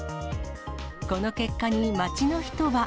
この結果に街の人は。